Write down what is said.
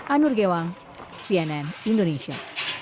anur gewang cnn indonesia